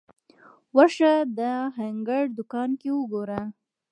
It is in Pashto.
ورشه د هنګر دوکان کې وګوره